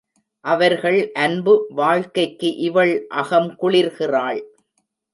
அவர்கள் அன்பு வாழ்க்கைக்கு இவள் அகம் குளிர்கிறாள்.